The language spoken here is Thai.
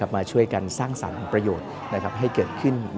มาช่วยกันสร้างสรรค์ประโยชน์ให้เกิดขึ้น